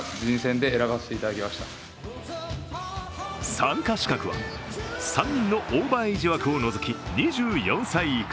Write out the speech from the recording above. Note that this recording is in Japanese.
参加資格は３人のオーバーエイジ枠を除き２４歳以下。